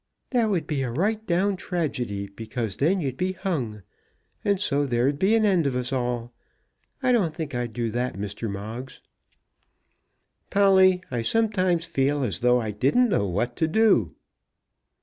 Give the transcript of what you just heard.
"That would be a right down tragedy, because then you'd be hung, and so there'd be an end of us all. I don't think I'd do that, Mr. Moggs." "Polly, I sometimes feel as though I didn't know what to do."